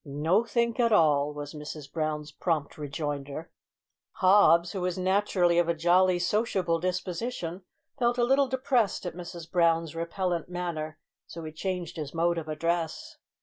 "Nothink at all," was Mrs Brown's prompt rejoinder. Hobbs, who was naturally of a jolly, sociable disposition, felt a little depressed at Mrs Brown's repellent manner; so he changed his mode of address.